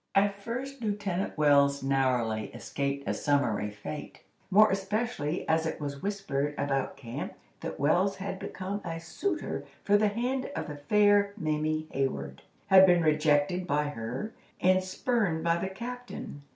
At first Lieutenant Wells narrowly escaped a summary fate, more especially as it was whispered about camp that Wells had become a suitor for the hand of the fair Mamie Hayward, had been rejected by her, and spurned by the captain.